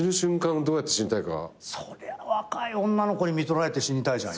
そりゃ若い女の子にみとられて死にたいじゃん。